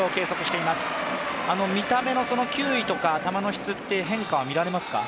見た目の球威とか球の質って変化は見られますか？